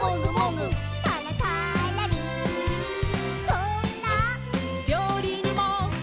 「どんな」「料理にも」